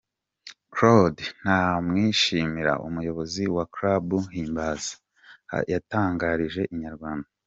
Claude Ntamwishimira umuyobozi wa Club Himbaza, yatangarije Inyarwanda.